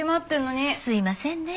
すいませんね。